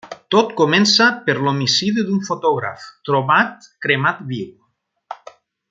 Tot comença per l'homicidi d'un fotògraf, trobat cremat viu.